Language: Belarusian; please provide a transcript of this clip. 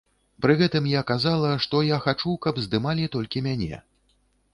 Пры гэтым я казала, што я хачу, каб здымалі толькі мяне.